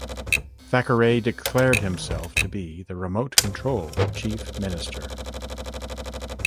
Thackeray declared himself to be the "remote control" chief minister.